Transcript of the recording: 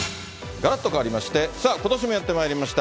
がらっと変わりまして、さあ、ことしもやってまいりました。